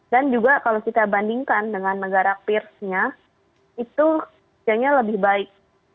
dan juga kalau kita bandingkan dengan negara peersnya itu kinerjanya lebih baik